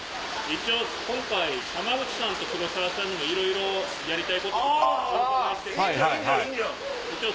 一応今回濱口さんと黒沢さんにもいろいろやりたいこととかお伺いして。